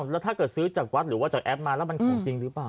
แล้วถ้าเกิดซื้อจากวัดหรือว่าจากแอปมาแล้วมันของจริงหรือเปล่า